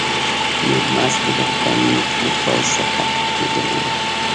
میرمست د برټانیې له پوځ څخه تښتېدلی وو.